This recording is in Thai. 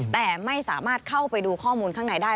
แต่ไม่สามารถเข้าไปดูข้อมูลข้างในได้